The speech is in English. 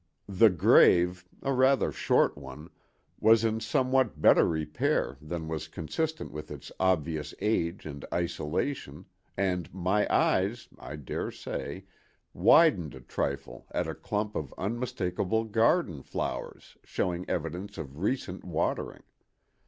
The grave—a rather short one—was in somewhat better repair than was consistent with its obvious age and isolation, and my eyes, I dare say, widened a trifle at a clump of unmistakable garden flowers showing evidence of recent watering.